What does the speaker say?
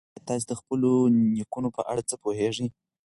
ایا تاسي د خپلو نیکونو په اړه څه پوهېږئ؟